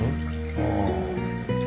ああ。